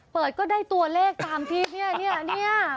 เปิดก็ได้ตัวเลขตามที่เนี้ยเนี้ยเนี้ย